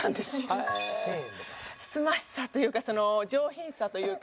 慎ましさというかその上品さというか。